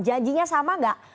janjinya sama nggak